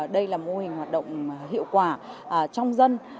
đây là mô hình hoạt động hiệu quả trong dân